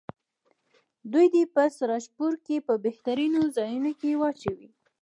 دوی دې په سراجپور کې په بهترینو ځایونو کې واچوي.